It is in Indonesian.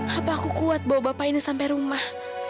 apa aku kuat bawa bapak ini sampai rumah